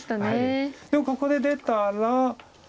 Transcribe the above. でもここで出たら。